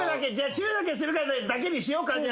チューだけするかだけにしようか。